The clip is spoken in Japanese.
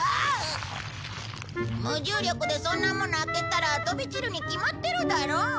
無重力でそんなもの開けたら飛び散るに決まってるだろ。